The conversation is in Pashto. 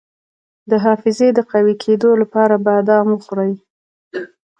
د حافظې د قوي کیدو لپاره بادام وخورئ